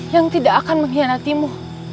yang tidak akan mengkhianatimu